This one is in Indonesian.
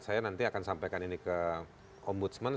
saya nanti akan sampaikan ini ke ombudsman